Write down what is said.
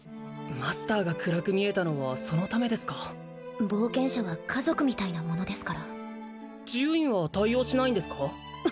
マスターが暗く見えたのはそのためですか冒険者は家族みたいなものですから治癒院は対応しないんですか？